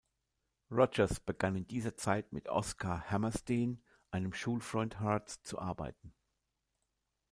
Rodgers begann in dieser Zeit mit Oscar Hammerstein, einem Schulfreund Harts, zu arbeiten.